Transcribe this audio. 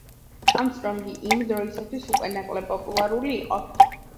არმსტრონგი იმ დროისთვის უკვე ნაკლებ პოპულარული იყო.